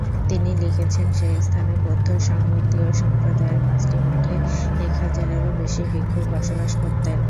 তিনি লিখেছেন, সেই স্থানে বৌদ্ধ সংমিতীয় সম্প্রদায়ের পাঁচটি মঠে এক হাজারেরও বেশি ভিক্ষু বসবাস করতেন।